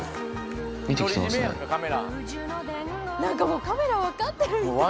何かカメラ分かってるみたい。